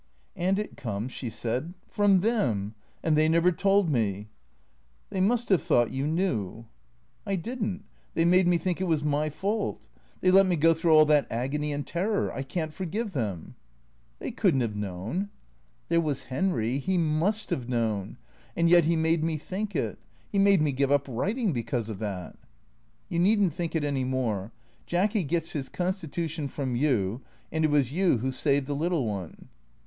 " And it comes," she said, " from them. And they never told me." " They must have thought you knew." 26 414 THECREATOES " I did n't. They made me think it was my fault. They let me go through all that agony and terror. I can't forgive them." " They could n't have known." " There was Henry. He must have known. And yet he made me think it. He made me give up writing because of that." " You need n't think it any more. Jacky gets his constitution from you, and it was you who saved the little one."